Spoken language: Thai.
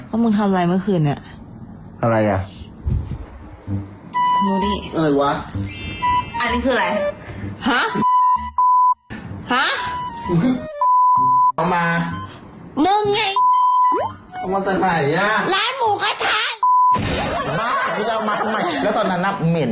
อันที่คืออะไร